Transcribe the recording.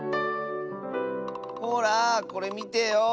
ほらこれみてよ。